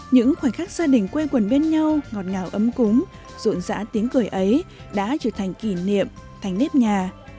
những khoảnh khắc gia đình quê quần bên nhau ngọt ngào ấm cúng rộn rã tiếng cười ấy đã trở thành kỷ niệm thành nếp nhà